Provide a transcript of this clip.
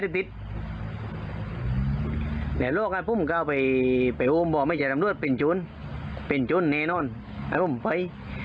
บวกไม่ใช่ทำรวจเป็นโจรเป็นโจรแน่นอนให้ผมไป